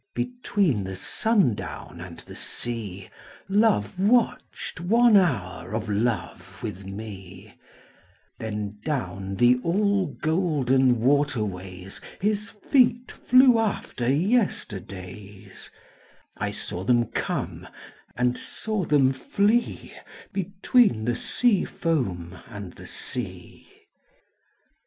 ┬Ā┬Ā3. ┬Ā┬ĀBetween the sundown and the sea ┬Ā┬ĀLove watched one hour of love with me; ┬Ā┬ĀThen down the all golden water ways ┬Ā┬ĀHis feet flew after yesterday's; ┬Ā┬Ā┬ĀI saw them come and saw them flee ┬Ā┬ĀBetween the sea foam and the sea.